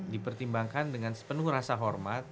dipertimbangkan dengan sepenuh rasa hormat